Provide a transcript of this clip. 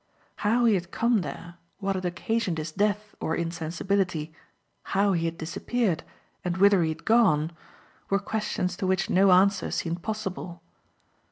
How he had come there, what had occasioned his death or insensibility, how he had disappeared and whither he had gone; were questions to which no answer seemed possible.